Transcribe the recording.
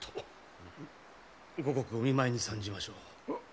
後刻お見舞いに参じましょう。